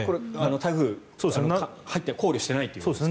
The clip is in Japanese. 台風、考慮していないということですね。